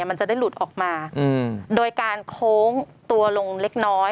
มันจะได้หลุดออกมาโดยการโค้งตัวลงเล็กน้อย